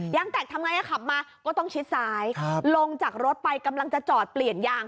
แตกทำไงขับมาก็ต้องชิดซ้ายลงจากรถไปกำลังจะจอดเปลี่ยนยาง